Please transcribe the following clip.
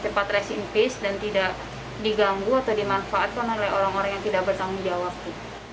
terus bisa cepat rest in peace dan tidak diganggu atau dimanfaatkan oleh orang orang yang tidak bertanggung jawab